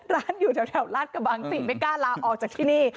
ร้านอยู่แถวลาดกระบังสิ่งไม่กล้าลาออกจากที่นี่